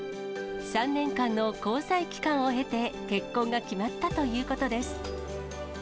３年間の交際期間を経て、結婚が決まったということです。